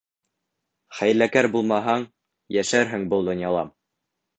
Хәйләкәр булмаһаң, йәшәрһең был донъяла.